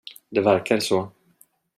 Det verkar så.